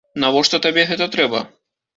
Навошта табе гэта трэба?